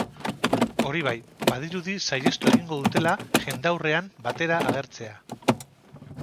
Hori bai, badirudi saihestu egingo dutela jendaurrean batera agertzea.